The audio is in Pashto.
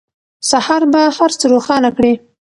سهار به هر څه روښانه کړي.